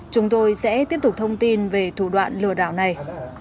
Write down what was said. chúng tôi sẽ tiếp tục thông tin về thủ đoạn lừa đảo này